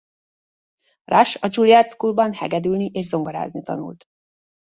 Rush a Juilliard Schoolban hegedülni és zongorázni tanult.